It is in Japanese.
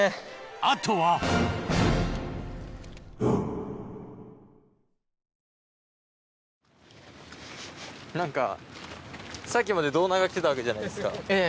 あとは何かさっきまで胴長着てたわけじゃないですか。